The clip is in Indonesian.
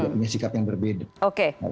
punya sikap yang berbeda